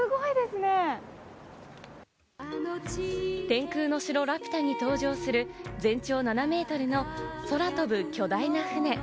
『天空の城ラピュタ』に登場する全長７メートルの空飛ぶ巨大な船。